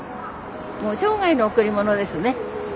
もう生涯の贈り物ですね。